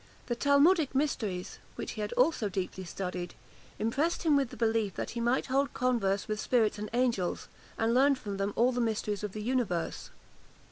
The Talmudic mysteries, which he had also deeply studied, impressed him with the belief, that he might hold converse with spirits and angels, and learn from them all the mysteries of the universe.